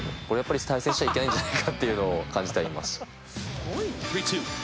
これやっぱり対戦しちゃいけないんじゃないかって感じてはいました。